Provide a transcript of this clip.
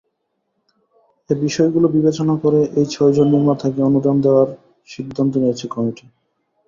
এ বিষয়গুলো বিবেচনা করে এই ছয়জন নির্মাতাকে অনুদান দেওয়ার সিদ্ধান্ত নিয়েছে কমিটি।